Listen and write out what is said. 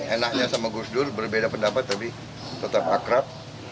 enaknya sama gusdur berbeda pendapat tapi tetap akrab